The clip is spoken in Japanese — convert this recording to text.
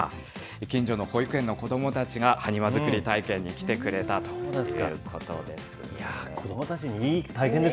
近所の保育園の子どもたちが埴輪作り体験に来てくれたということ子どもたちに、いい体験です